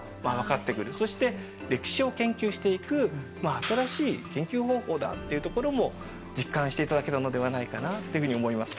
そして歴史を研究していく新しい研究方法だっていうところも実感していただけたのではないかなっていうふうに思います。